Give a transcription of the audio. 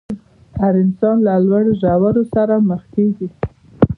هر انسان له لوړو ژورو سره مخ کېږي.